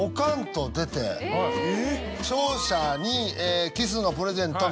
勝者にキスのプレゼントみたいな。